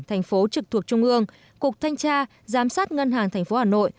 thành phố trực thuộc trung ương cục thanh tra giám sát ngân hàng tp hà nội